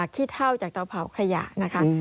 ขี้เท่าจากเตาเผาขยะนะคะ